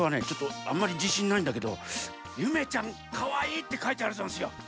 ちょっとあんまりじしんないんだけど「ゆめちゃんかわいい」ってかいてあるざんすよ。